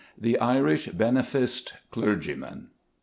THE IRISH BENEFICED CLERGYMAN.